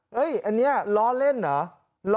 อันนี้ล้อเล่นเหรอ